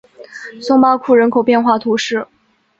松巴库人口变化图示